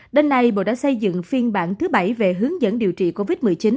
đêm nay bộ đã xây dựng phiên bản thứ bảy về hướng dẫn điều trị covid một mươi chín